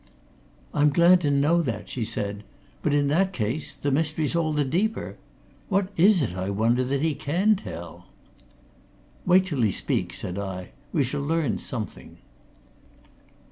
"I'm glad to know that," she said. "But in that case the mystery's all the deeper. What is it, I wonder, that he can tell." "Wait till he speaks," said I. "We shall learn something."